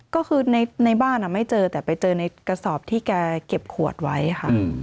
ก็คือในบ้านไม่เจอแต่ไปเจอในกระสอบที่แกเก็บขวดไว้ค่ะ